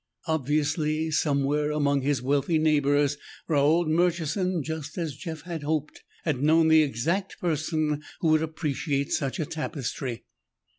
Obviously, somewhere among his wealthy neighbors, Raold Murchison, just as Jeff had hoped, had known the exact person who would appreciate such a tapestry.